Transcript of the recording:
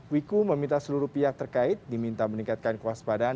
wiku meminta seluruh pihak terkait diminta meningkatkan kuas badan